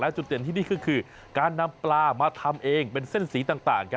จุดเด่นที่นี่ก็คือการนำปลามาทำเองเป็นเส้นสีต่าง